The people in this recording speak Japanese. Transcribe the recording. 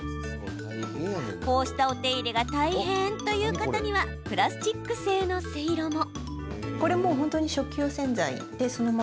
こうしたお手入れが大変という方にはプラスチック製のせいろも。